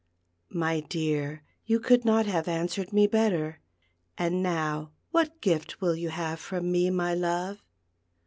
"My dear, you could not have answered me better; and now what gift will you have from me, my love?"